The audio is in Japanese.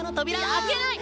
開けない！